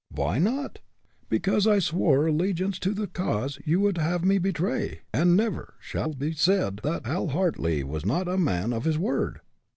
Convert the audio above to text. "Vy not?" "Because I swore allegiance to the cause you would have me betray, and it never shall be said that Hal Hartly was not a man of his word!"